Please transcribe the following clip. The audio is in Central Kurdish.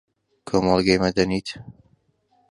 کۆمەڵگەی مەدەنیت